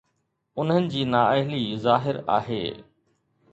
انهن جي نااهلي ظاهر آهي.